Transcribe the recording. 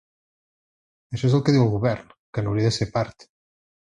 Això és el que diu el govern, que no hauria de ser part.